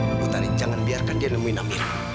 ibu tarik jangan biarkan dia menemui amira